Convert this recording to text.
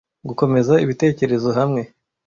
Gukomeza ibitekerezo hamwe